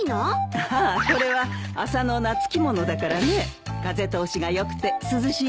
ああこれは麻の夏着物だからね風通しが良くて涼しいんだよ。